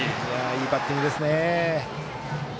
いいバッティングですね。